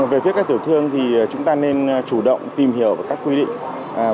về phía các tiểu thương thì chúng ta nên chủ động tìm hiểu các quy định